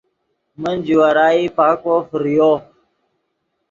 من جوارائی پاکو فریو